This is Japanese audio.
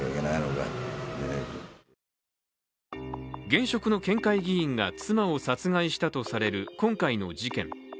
現職の県会議員が妻を殺害したとされる今回の事件。